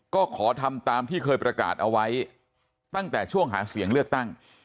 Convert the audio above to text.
ก็ขอทำตามที่เคยประกาศเอาไว้ตั้งแต่ช่วงหาเสียงเลือกตั้ง